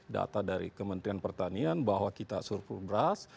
data dari kementerian pertanian bahwa kita suruh perberas